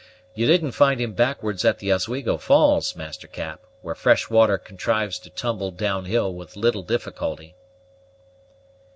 You didn't find him backwards at the Oswego Falls, Master Cap, where fresh water contrives to tumble down hill with little difficulty."